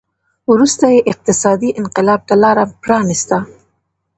وروسته یې اقتصادي انقلاب ته لار پرانېسته.